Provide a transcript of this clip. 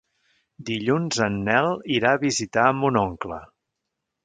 Dilluns en Nel irà a visitar mon oncle.